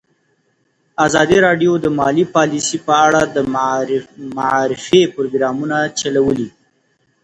ازادي راډیو د مالي پالیسي په اړه د معارفې پروګرامونه چلولي.